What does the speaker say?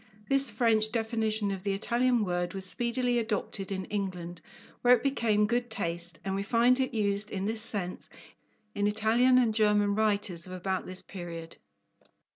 This French definition of the Italian word was speedily adopted in England, where it became "good taste," and we find it used in this sense in Italian and German writers of about this period.